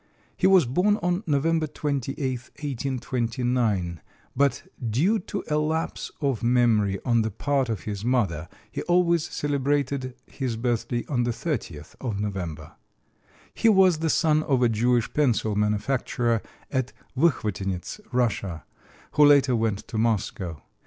He was born on November 28, 1829, but due to a lapse of memory on the part of his mother, he always celebrated his birthday on the 30th of November. He was the son of a Jewish pencil manufacturer at Wechwotynetz, Russia, who later went to Moscow.